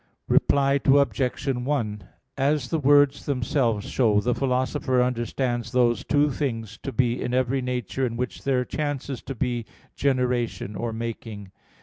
Reply Obj. 1: As the words themselves show, the Philosopher understands those two things to be in every nature in which there chances to be generation or making.